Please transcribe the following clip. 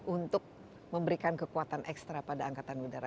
untuk memberikan kekuatan ekstra pada angkatan udara